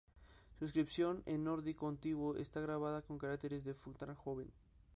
Su inscripción en nórdico antiguo está grabada con caracteres del futhark joven.